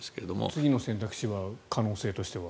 次の選択肢は可能性としては？